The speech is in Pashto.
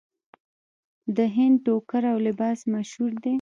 د هند ټوکر او لباس مشهور دی.